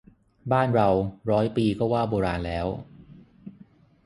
บ้านเราร้อยปีก็ว่าโบราณแล้ว